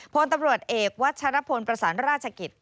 พลตำรวจเอกวัชรพลประสานราชกิจ